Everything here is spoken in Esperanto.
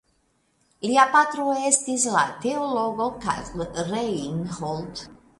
Lia patro estis la teologo Karl Reinhold.